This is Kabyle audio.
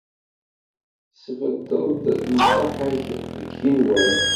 Tesbeddeḍ nnṣaḥa-k deg yigenwan.